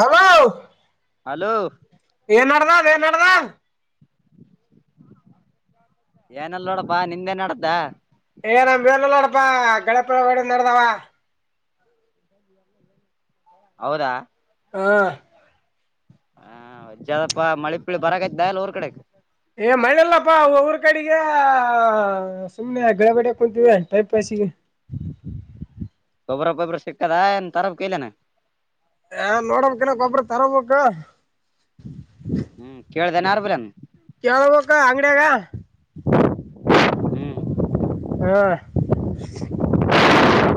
Hello hello ಏನ್ ನಡದದ ಏನ ನಡದದ ಏನಲ್ಲ ನೋಡಪ್ಪಾ ನಿಂದೆ ನಡ್ದ ಏ ನಮ್ಲ್ಲಲ್ಲ ನಪಾ ಗಳಪು ಒಡೆ ನಡೆದಾವ ಹೌದಾ ಹಾ ಹಾ್ ಜಪ ಮಳೆ ಪಳಿ ಬರಕಯ್ತ ಎಲ್ಲ ಊರ್ ಕಡೆ ಏ ಮಳಿಇಲ್ಲಪಾ ಊರ ಕಡಿಗಿ ಹಾ ಸುಮ್ಮನೆ ಗಳೇ ಒಡೆಕುಂತೀವಿ ಟೈಮ್ ಪಾಸಿಗಿ ಸಿಗೆ ಗೊಬರ ಪಬರ ಸಿಕ್ಕದ ಇಲ್ಲ ತರಬೇಕಾ ಎಲ್ಲೆನ ಹ ನೋಡಬೇಕ ಕನ ಗ ಒಬ್ರ ತರಬೇಕು ಹ್ಮ್ ಕೇಳ್ದೇನೇ ಯಾರ್ ಬಲ್ಲ್ಯಾನ ಕೇಳ ಬೇಕು ಅಂಗಡಿಯಾಗ ಹ್ಮ್ ಹಾ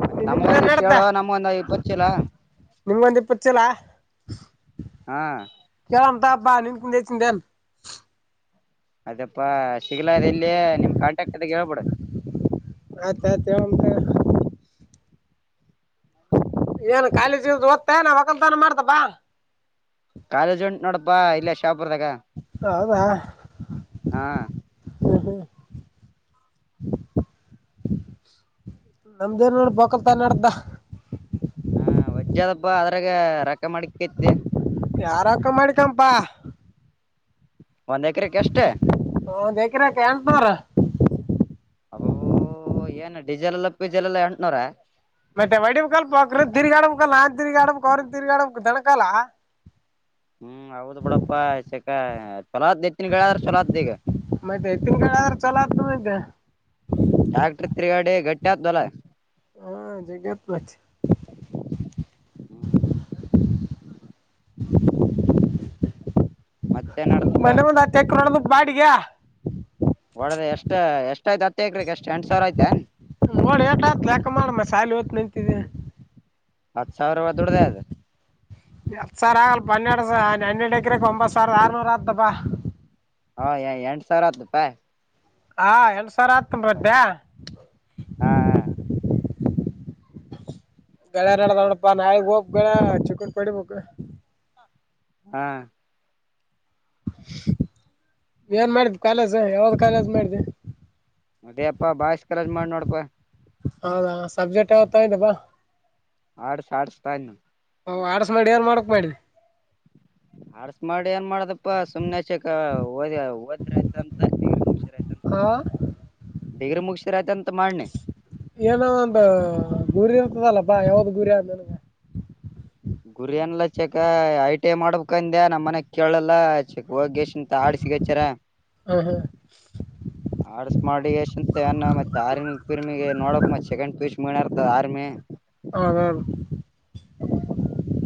ಮತ್ ನಿಮ ನಮ್ಗೊಂದ್ ಇಷ್ಟ್ ನಡ್ದ ಹೇಳು ನಮ್ಗೊಂದ್ ಇಪ್ಪತ್ ಚೀಲ ನಿಮ್ಗೊಂದ್ ಇಪ್ಪತ್ತು ಚಲ ಹ [unintelligible] ಹಾ ಕೇಳಮ್ಮ ತಗಪ ನಿಮಕಿನ ಹೆಚ್ಚಿನಿಂದ ಏನಪಾ ಅದಪ್ಪಾ ಸಿಗ್ಲ ಅದೆ ಎಲ್ಲಿ ನಿಮ್ ಕಾಂಟ್ರ್ಯಾಕ್ಟ್ ಅದಾಗ ಹೇಳ್ಬಿಡ ಆಯ್ತಾಯ್ತು ಹೇಳಂತ ಏನು ಕಾಲೇಜ ಓದ್ತಾ ಏನ ವಕಲ್ತಾನ ಮಾಡ್ತ ಬಾ ಕಾಲೇಜ್ ಒಂಟಿನಿ ನೋಡಪ್ಪಾ ಇಲ್ಲ ಶಾಪರ್ದಾಗ ಹೌದಾ ಹಾ ಹ್ಮ ಹಾ ನಮ್ದೇನ್ ನೋಡ ವಾಕ್ಕಲ್ತನ ನಡ್ದ ಜದಬಾ ಅದ್ರಾಗ ರೊಕ್ಕ ಮಾಡಡಿಕಿ ಯಾರ ರೂಕ್ಕ ಮಾಡಿಕಂಪಾ ಒಂದ್ ಎಕರೆಕ್ಕೆ ಎಷ್ಟ ಒಂದ್ [unintelligible] ಅಬಬ್ಬಬ್ಬಬ್ಬಬ್ಬ ಡೀಜೆಲ್ ಎಲ್ಲ ಪಿಜೆಲ್ ಎಲ್ಲ ಎಂಟುನೂರ ಮತ್ತೆ ವಡಿಮ ಕಾಲ ಪಾಕ್ರ ತಿರುಗಾಡ ಕ ನಾನ್ ತಿಗಾಡಮಕ್ ಅವ್ರನ್ ತಿರ್ಗಾಡಮಕ್ ದಣ ಕಾಲ ಹ್ಮ್ ಹೌದ್ ಬಿಡಪ್ಪಾ ಚೆಕ್ಕಾ ಚಲೋದಿ ಮಾಹಿತ ತೀನ್ ಕೇಳ ಚಲ ಮಾಹತ ಟ್ಯಾಕ್ಟರ್ ತಿರ್ಗಾಡೆ ಗಟ್ಟಿ ಆತ್ಲ ಹಾ ಜಗತ್ ಮಚ್ ಹ್ಮ್ ಮತ್ತೆ ನಡ್ದಪಾ ಮನೆ ಮುಂದ್ ಅತ್ತೆಕ್ ನೋಡದ ಬಾಡಿಗೆ ಎಷ್ಟ ಎಷ್ಟ ಆಯ್ತತ್ ನೋಡಿ ಎಟ ಆತ್ ಲೆಕ ಮಾಡ ಮತ ಸಾಲಿ ಹೂನಿಂತಿದ್ದ ಹತ್ತು ಸಾವಿರವ ದದುಡದ ಅದು ಹನ್ನೆರಡ ಸ ಹನ್ನೆರಡು ಎಕ್ರಕ್ ಒಂಬತ್ತು ಸಾವಿರ ಆರ್ನೂರ ಆತಪ್ಪಾ ಹಾ ಎಂಟ ಸಾವಿರ ಆತಪ ಹಾ ಎಂ ಸಾವಿರ ಹತ್ತೊಂಬ್ರತ್ತೆ ಹಾ ಹಾ ಗಳ ನಡದ ನೋಡಪ್ಪಾ ನಾಳಿಗ್ ಹೋಗಬ್ ಗಗಳ ಚಕ್ಕರ್ ಪಡಿಬೇಕಕ್ು ಹಾ ಏನ್ ಮಾಡಿದ ಕಾಲೇಜ್ ಯಾವ್ದ್ ಕಾಲೇಜ್ ಮಾಡಿದ್ದ ಅದೇ ಅಪ್ಪಾ ಬಾಯಸ್ ಕಲಜ್ ಮಾಡಿ ನೋಡಪಾ ಹೌದಾ ಸಬ್ಜೆಕ್ಟ್ ಯಾವತ್ತ ಇದ್ದ ಬಾ ಆಡ್ ಸಾಡ್ ಸತನು ಹ ಆಡಸ ಮಾಡಿ ಯಏನ್ ಮಾಡಕ್ ಮಾಡಿ ಆಡ್ಸ್ ಮಾಡಿ ಏನ್ ಮಾಡ್ದಪ್ಪಾ ಸುಮ್ನೆಕ್ಕ ಓದ ಓದ್ರ ಆಯ್ತಂತ ಡಿಗ್ರಿ ಮುಗ ಹಾ ಬಗ್ರ ಮುಗಸರಯತಂತ ಏನೋ ಒಂದು ಗುರಿ ಇರ್ತದಲ್ಲ ಬಾ ಯಾವ್ದ ಗುರಿ ಅಂದನಗೆ ಗುರಿ ಏನಲ್ಲ ಚಕ್ಕ ಐ ಟಿ ಐ ಮಾಡ್ಬೇಕಕ್ಂದೆ ನಮ್ಮ್ ಮನ್ಯಗ್ ಕೇಳಲ್ಲ ಚೆಕ್ ಹೋಗೇಶಂತ ಆಡ್ಸಗಚಾರ ಹಾಂ ಹಾಂ ಆಡ್ಸ್ ಮಾಡಿಂತ ಮತ್ತೆ ಆರ್ಮಿರ್ಮಿಗೆ ನೋಡಕ್ ಮತ್ತೆೆಂಡ್ ಮನರ್ದ ಆರ್ಮಿ ಹೌದವ್ದು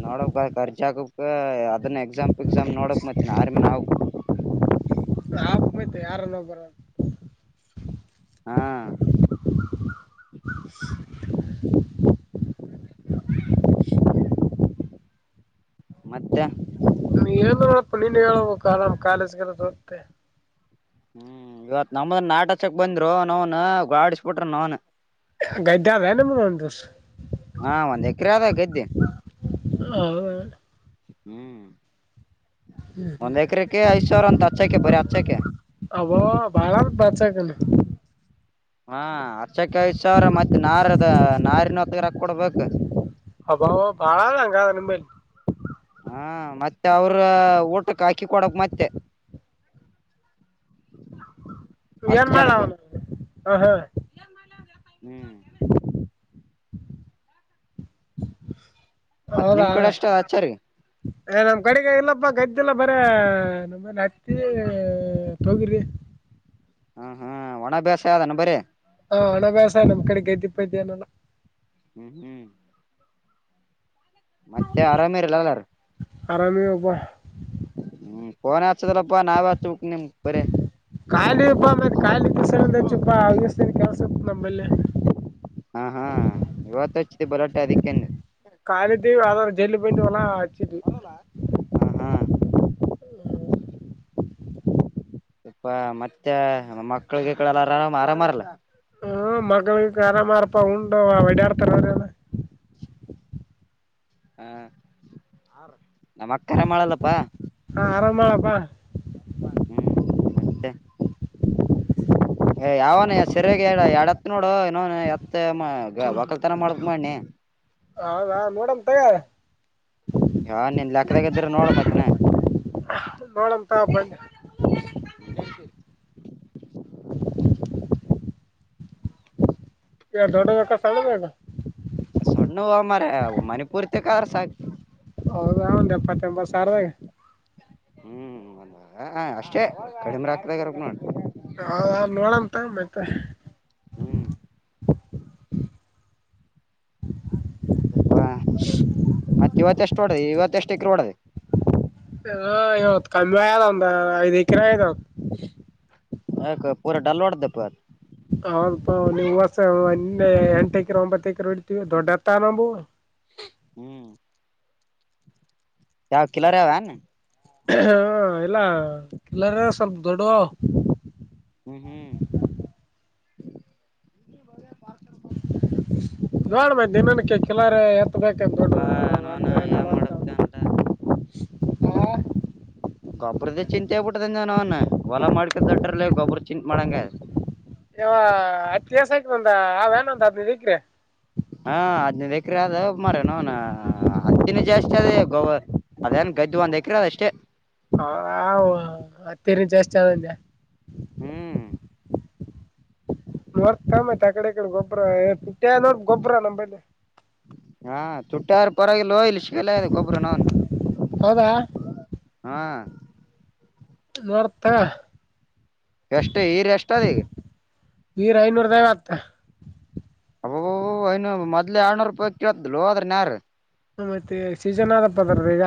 ನೋಡಕ್ ಖರ್ಚ ಆಗುತ್ತೆ ಎಕ್ಸಾಮ್ ನೋಡಕ್ ಮ ಆರಮಿ ನವು ಹಯ್ತೆ ಯಾರನ್ನ ಒಬ್ರು ಹಾ [inaudible] ಮತ್ತೆ ನನ್ವೇನವಪ್ಪ ನೀನ್ ಹೇಳ್ಬೇಕ ಆರಾಮ್ ಕಾಲೇಜ್ಗೆಲ್ಲ ಹೋತ್ತೆ ಹ್ಮ್ ಇವತ್ ನಮ್ದ ನಾಟಚಕ್ ಬಂದ್ರು ನವನ್ ಗಾಡಿಸಬಿಟ್ರ ನವ್ನ್ ಗದ್ದೆ ಆದ ನಿಮ್ದು ಒಂದು ತುಸ ಹಾ ಒಂದ್ ಎಕರೆ ಅದೇ ಗದ್ದೆ ಹ್ಮ್ ಒಂದ್ ಎಕರೆಕ್ಕೆ ಐದ್ ಸಾವಿರ ಅಂತ ಹಚ್ಚಕೆ ಬರೀ ಹಚ್ಚಕೆ ಅಬ ಬಾಳ ಬಚಕಲ್ಲ ಹಾ ಹಚ್ಚಕ್ಕೆ ಐದ್ ಸಾವಿರ ಮತ್ತ ನಾರ ಅದ ನಾರಿನ ಹೊತ್ತಗ ರಕ್ಕ ಕೊಡ್ಬೇಕು ಅಬ್ಬ ಬಾಳಂಗಾದ ನಿಮ್ಮೇ ಹಾ ಮತ್ತೆ ಅವ್ರ ಊಟಕ್ಕೆ ಅಕ್ಕಿ ಕೊಡಕ್ ಮತ್ತೆ ಅಷ್ಟ್ ಏನ್ ಮಾಡ್ಲ ಜನಕ್ ಅವನ ಹ ಹ ಹ್ಮ್ ಮತ್ ಹೌದಾ ನಿಮ್ ಕಡೆ ಅಷ್ಟ ಹಚ್ಚರಿ ನಮ್ ಕಡೆಗೆ ಇಲ್ಲಪ್ಪ ಗದ್ದಿಲ್ಲಪ್ಪ ಬರಿ ಹತ್ತಿ ತೊಗರಿ ಹ್ಮ ಹ್ಮ್ ಒಣ ಅಭ್ಯಾಸ ಆನಾ ಬರಿ ಹಾ ಹಣಭ್ಯಾಸ ನಮ್ ಕಡೆ ಗದ್ದಿ ಪೆದ್ದಿ ಏನು ಇಲ್ಲ ಹ್ಮ್ ಮತ್ತೆ ಆರಾಮೇರಿ ಏಲ್ಲಾರ ಆರಾಮೆ ಯಪ್ಪಾ ಹ್ಮ ಫೋನ್ ಆಚೆದ್ರಪ್ಪಾ ನಾವ್ ಖಾಲಿ ಬ [unintelligible] ವಸ. [unintelligible] ನಮ್ಮಲ್ಲೇ ಹಾ ಹಾ [unintelligible] ಬಲಟ್ಟೆ ಅದಕ್ಕೇನೆ. ಕಾಯಾಲಿದ್ದೀವಿ ಆದ್ರ ಜಲ್ಲಿ ಬಂದ. ಹ್ಮ ಹ್ಮ್. ಯಪ್ಪಾ ಮತ್ತೆ ಮಕ್ಕಳುಗಿಕ್ಕಳು ಆರಾಮ ಆರಾಮಾರಲ್ಲ. ಹ್ಮ ಮಕ್ಕಳುಗಿಕ್ಕಳು ಆರಾಮಾರಪ ಉಂಡು ಹೊಡಾರ್ತಾರಲ್ಲ. ಹಾ ನಮ್ಮ ಅಕ್ಕರ ಮಾಡಲ್ಲಪ್ಪಾ. ಬಾ ಬಾ. ಹ್ಮ್ ಮತ್ತೆ. ಯಾವನು ಸರಿಯಾಗ ಎಡತ್ ನೋಡು ಇವನು ಎತ್ತ ವಕಲ್ತನ ಮಾಡತ್ ಮಣಿ. ಹ್ಮ. ಹೌದ ನೋಡಮ ತಡಿ. ಯಾ ನಿನ್ ಲೆಕ್ಕದಾಗ ಇದ್ರೆ ನೋಡ ಮತೇನ. [inaudible] ನೋಡಮ್ ತಗ ಬಂದ್ [unintelligible] ಎ ದೊಡ್ದದು ಬೇಕಾ ಸಣ್ಣದು ಬೇಕಾ ತಿಕಾರಸಕ್ಕ [inaudible] ಹೌದ ಒಂದ್ ಎಪ್ಪತ್ತ ಎಂಬತ್ತು ಸಾವಿರದಾಗ. ಹ್ಮ್ ಅಷ್ಟೇ ಕಡಿಮೆ ರಕ್ಕ ದಾಗಿರಬೇಕು ನೋಂಡು. ಹೌದಾ ನೋಡಂ ತಡಿ ಮತ್ತೆ ಹ್ಮ್ ವಾ ಮತ್ತೆ ಇವತ್ತ ಎಷ್ಟು ಒಡಿದೆ ಇವತ್ತೇಷ್ಟ ಎಕ್ರೆ ಓಡಿದೆ. ಹಾ ಇವತ್ ಕಮ್ಮಿ ಆದ ಒಂದ್ ಐದ್ ಎಕರೆ ಯದಾವ. ಹ ಪೂರ ಡಲ್ ಒಡಿದಪ್ಪ. ಹೌದಪ್ಪಾ ನೀವು ಹೊಸ ಎಂಟ ಎಕರೆ ಒಂಬತ್ತು ಎಕರೆ ಬಿಡ್ತೀವಿ ದೊಡ್ಡತ್ತ ನಂಬು. ಯಾವು ಕೀಲರಾವನ್. ಹಾ ಎಲ್ಲ ಇಲ್ಲ ಟೀಲರ್ ಸ್ವಲ್ಪ ದೊಡ್ಡ. ಹೂ ಹೂ ಟಿಲ್ಲರ್ ಎ ಏನಪ್ಪ ನಾವ್ನ ಮಾಡಕ್ ಅನ್ಲ. ಹ. ಗೊಬ್ರದ್ದ ಚಿಂತೆ ಆಗ್ಬಿಟ್ಟದಂದ ನ ಅವನ್ ಹೊಲಾ ಮಾಡ್ಕೊತಟ್ರಲ್ಲ ಗೊಬ್ರ ಚಿಂತೆ ಮಾಡಂಗ. ಯಾವ ಹತ್ತ ದಾಸ ಆಕ್ ಬಂದ ಅವ್ಯಾನ್ ಒಂದ್ ಹದ್ನೈ್ಕ್ರಿ. ಹಾ ಹದ್ನೈದು್ ಎಕರೆ ಆದ ಮಾರಾಯ ನಿನವನ್ ಹತ್ತಿನ ಜಾಸ್ತಿ ಅದ ಗವ. ಅದೇನ್ ಗಡ್ಡಿ ಒಂದ್ ಎಕರೆ ಅದ ಅಷ್ಟೇ. ಹ ಹ ಹತ್ತಿರಿಚಾಷ್ಟ ಅನ್. ಹೂ ನೋರ್ತ್ ಕಾಮ್ ಆ ಕಡೆ. ಗೊಬ್್ರ ಏ ಪುಟ್ಟಿಯ ನೋಡ್ ಗೊಬ್ಬ್ರ ನಂಬಲ್ಲಿ. ಟ್ಟಾರು ಪರವಾಗಿ ಸಿಗಲ್ಲ ಆಗ್ಯದ ಗೋಬ್ರ ನನ್ ಹೌದಾ ಹಾ. ನೋಡ್ತ. ಎಷ್ಟ ಈರ್ ಎಷ್ಟ ಅದ ಈಗ ವೀರ ಐನೂರುದಾಯತ್ತ. ಅಬ್ಬಾ ಅಬ್ಬಾ ಮೊದಲ ಆಡ್ನೂರು ರೂಪಾಯಿ ಕೇಳತದ್ಲು ಅದ್ರನ್ ಯಾರು. ಹ ಮತ್ತೆ ಸೀಜನ್ ಆದಪ್ಪ ಅದರದ ಈಗ.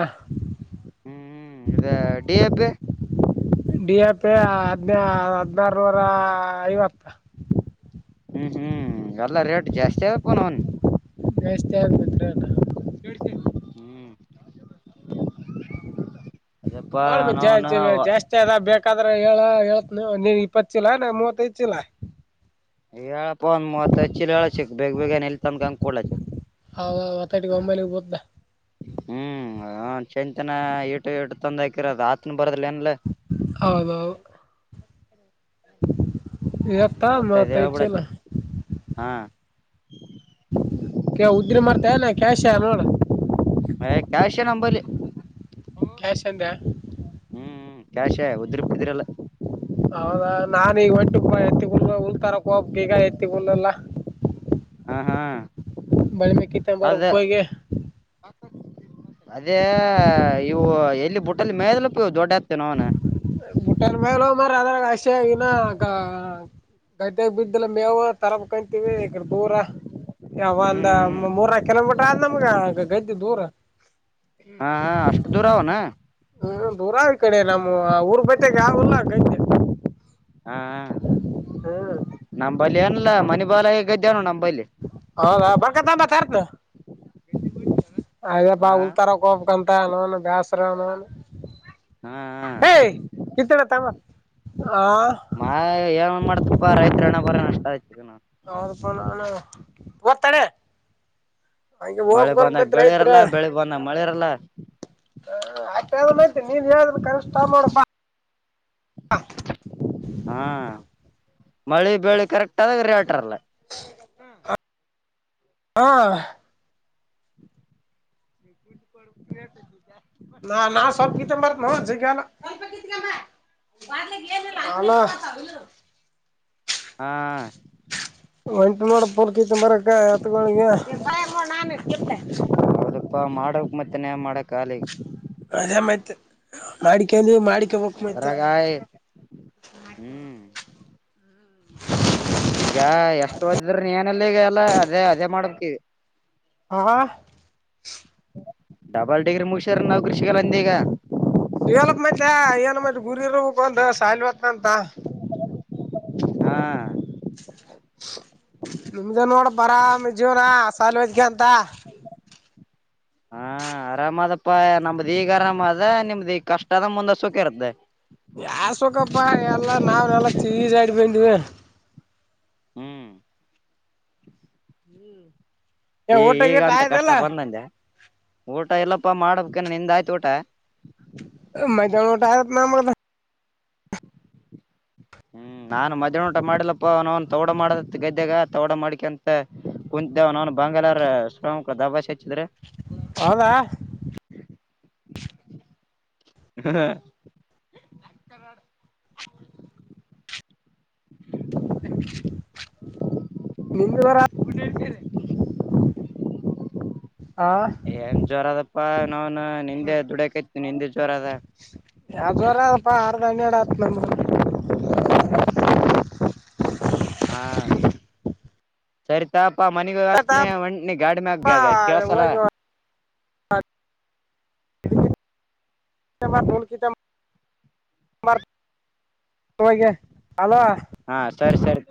ಹ್ಮ್ ಇದ D A P D A P ಹದಿನ ಹದಿನಾರನೂರ ಐವತ್ತು. ಹೂ ಹೂ ಎಲ್ಲ ರೇಟ್ ಜಾಸ್ತಿ ಆಪ ನ ಅವನ್. ಎತ್ರರಟ. ಹೂ ನೋಡು ಮಚ್ಚಾ ಜಾಸ್ತಿ ಅದಾಗ ಬೇಕು ಯಾದ್ರ ಹೇಳ ಹೇಳತ್ ನೀನ್ ಇಪ್ಪತ್ತು ಚೀಲ ನ ಮೂವತ್ತೈಐದ್ ಚೀಲ ಹ ಹೇಳಪ್ಪ ಒ ಮೂವತ್ತತ್ ಹೆಚ್ಚಿಲ್ ಹೇಳ ಚಕ್ ಬೇಗ ಬೇಗಏ ಎತ ಕಂಗ ಕೊಡಲ ಚಕ್ ಹೌ ಮತ್ತೆಟ ಒಮ್ಮೈಲಿಿಗೆ ಉರ್ದು ಹ ಚೆಂತನ ಇಟ್ಟು ಇಟ್ಟು ತಂದಾಕಿರೋದು ಆತ್ನ ಬರದಲ್ಲನ್ಲ್ಲ ಹೌದು ಯ ಇವತ್ತ ಮೂವತ್ತೈದ ಮೂವತ್ತೈದು ಚೀಲ ಹೇಳಿಬಿಡು ಹಾ ಕೆ ಉದ್ದ್ರೆ ಮಾಡ್ತ ನೆ ಕ್ಯಾಶ ನೋಡ ಮ ಕ್ಯಾಷ ನಂಬಲೆ ಕ್ಯಾಶ್ ಅಂದ್ಯ ಹೂ ಕ್ಯಾಶೇ ಉದ್ರಿ ಪಾದ್ರಿ ಇಲ್ಲ ಹೌದಾ ನಾನೀಗ ಒಂಟ್ಟಿಗೆ ಎತ್ತಿಗಲ್ ಹುಲ್ಲಿಲ್ಲ ಹೋಗ ಈಗ ಎತ್ತಿಗಲ್ಲಿಲ್ಲ ಹಾ ಹಾ ಬಳಿ ಮೀಕಿ ಅದ ಕಾರ್ಬೇಕು ಹೋಗಿ ಅದೇ ಇವು ಎಲ್ಲಿ ಬುಟ್ಟಲ್ಲಿ ಮೇದಲುಪ ದೊಡ್ಡ ಆತೇನ ಅವನ ಮಊಟಾನ ಭ ಮ ರಧಾರ ಗಾಸ ಗಿನ ಗದ್ದೆಗೆ ಬಿದ್ದಿಲ್ಲ ಮೇವು ತರ ಕಂತೀವಿ ಈ ದೂರ ಯಾವ ಹ್ಮ್ ಒಂದ ಹ್ಮ್ ಮೂರ ಕಿಲೋಮೀಟರ್ ಆದ ನಮ್ಗ ಗಡ್ಡಿ ದೂರ ಹಾ ಅಷ್ಟು ದೂರ ಅವನು ಹೂ ದೂರಾ ಈ ಕಡೆ ನಮ್ಮ್ ಊರ್ ಬತಾಗ ಯಾವಲ್ಲೈತ ಹಾ ಹ್ಮ್ ನಂಬಲ್ಲಿ ಏನಲ್ಲ ಮನಿ ಬಾಲ ಹೇಗದ್ದ್ಯನು ನಮ ಹೌದಾ ಬರ್ಕರ ಅಬ ಹಾ ಉಲ್ತಾರ ಯತ ಅ ನೋನ್ ಬ್ಯಾಸರ ಅನೋನ್ ಹಾ ಏಯ ಕತ್ತಳ ತಮ್ಮ ಆ ಮಾ ಏನ್ ಮಾಡ್ತಪ್ಪಾ ರೈತರ ಹಣೆಬರನೆ ಅಷ್ಟ ಐತಿ ಹೌದು ನಾನು ಓರ್ತಾನೆ ಹಗೆ ಹೋಗ ಹಲ್ಕ್ ರೈತರ ಮಳೆಯಾರಲ್ಲ ಹ ಆಯ್ತಯ್ತಿ ನೀವ ಯ ಕಷ್ಟ ಮಾಡಬಾ ಹಾ ಮಳೆ ಬೇಳಿ ಕರೆಕ್ಟ್ ಆದಾಗ ರೀ ಆಟರಲ್ಲ್ಮ ಹಾ ನ ನಾ ಸಬ್ಕ ತು ಮಾರ ನ ಸಿ ಕಣ [unintelligible] ಹಾ ಒಂಟು ನೋಡ ಪೂರ್ಕತಿ ಮರಕ್ಕ ಹತ್ಗೋಳಿ ಸ್ವಲ್ಪ ಮಾಡಕ್ ಮತ್ತೆನೇ ಮಾಡಕ್ ಆಾಲಿ ಅದೇ ಮತ್ ಮಾಡ್ತೀನಿ ಅಕ್ಕೆ ಹಕ್ ಮ ಅದ್ರಾಗ ಹ್ಮ್ ಈಗ ಎಷ್ಟು ಹೊದಿದ್ರ ನೀೇನಲ್ಲಿಗ ಎಲ್ಲ ಅದೇ ಅದೇ ಮಾಡ್ತವಿ ಹಾ ಡಬಲ್ ಡಿಗ್ರಿ ಮುಗಸ್ಯ್ರ ನಾ್ ಕೃಷಗಲ್ಲಂದ ಈಗ ಲಪ್ ಮ ಏನ ಮ ಗುರಿ ಇರಬೇಕು ಒಂದ ಸಲ್ವ ಅಂತ ಹಾ ನಿಮಿದ ನಡ ಬಾರಾಮ ಯೂನಾ ಅಸಾಲವೆಜಕಂತ ಹಾ ಅರಾಮ್ದಪ್ಪ ನಮ್ದ ಈಗ ಅರಾಮ್ ಅದ ನಿಮ್ದ ಈಗ ಕಷ್ಟ ಅದ ಮುಂದೆ ಸುಖಿ ಇರುತ್ತೆ ಯಾರ್ ಸುಕಪ್ಪಾ ಎಲ್ಲಾ ನಾವನೆಲ್ಲ ಚೀರಾಡ್ ಬಂದಿವವಿ ಹ್ಮ್ ಹ್ಮ್ ಹ ಈಗ ಅಂತ ಕಷ್ಟ ಬಂದಂದ ಊಟ ಎಲ್ಲ ಪ ಮಾಡ್ಬೇಕ ನಿಂದಾಯ್ತ ಊಟ ಮೈದಾ ಊಟ ಆತ್ ನಮದು ಹ್ಮ್ ನಾನನ ಮಧ್ಯಾಹ್ನ ಊಟ ಮಾಡಿಲ್ಲಪ್ಪ ಅವನ್ ತಗಡ ಮಾಡದ ಗದ್ದೆಾಗ ತಗಡ ಮಾಡಿಕಂತ ಕುಂತವ ಅವ್ನ್ ಬಂಗಾಲಾರ ಶ್ರಮ ದಬಸ್ ಹೆಚ್ಚಿದ್ರೆ. ಹೌದಾ ಹಾ... [unintelligible] ನಿಂದುವರ. ಉಡಸರೆ ಹ ಏನ್ ಜೋರ ಅದಪ್ಪಾ ನಾವನ್ ನಿಂದೆ ದುಡಕಾಯತಿ ನಿಂದೆ.. ಜ್ವರ ಅದ ಯದರ ಪ ನ್ನಡ ಆತ್ ನಂಬ.. ಹಾ ಸರಿತಾ. ಅಪ್ಪಾ ಮನಗ ವರ್ಷನೆ ಒಣ್ಣಿ ಗಾಡಿ್ಮೆ ಆಗ್ಗ ಕೇಸಲ.. ಬಲ್ಕಿದ್ದ.. ಮ ಸಮಮ. ಹಾ ಸರಿ ಸರಿ